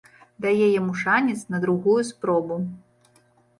Дае яму шанец на другую спробу.